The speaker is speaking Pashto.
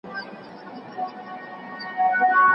څېړونکی د عروضو قاعدې کاروي.